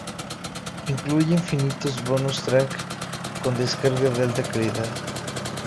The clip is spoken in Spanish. Incluye infinitos "bonus track" con descarga de alta calidad.